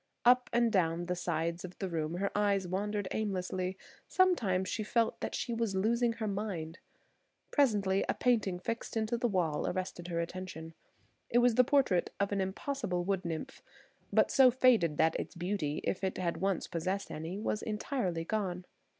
Up and down the sides of the room her eyes wandered aimlessly; sometimes she felt that she was losing her mind. Presently a painting fixed into the wall arrested her attention. It was the portrait of an impossible wood nymph, but so faded that its beauty–if it had once possessed any–was entirely gone.